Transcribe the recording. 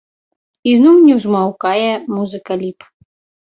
І зноў не змаўкае музыка ліп.